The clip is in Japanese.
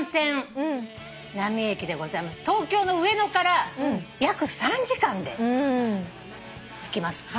東京の上野から約３時間で着きます。